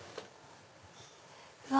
うわ！